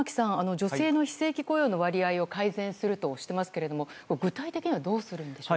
女性の非正規雇用の割合を改善するとしていますけど具体的にはどうするんでしょうか。